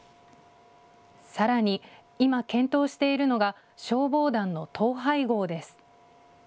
さらに今検討しているのが消防団の統廃合です。